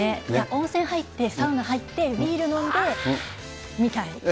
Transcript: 温泉入って、サウナ入って、ビール飲んで見たい。